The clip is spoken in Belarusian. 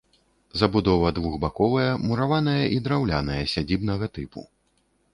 Забудова двухбаковая, мураваная і драўляная, сядзібнага тыпу.